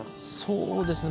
そうですね。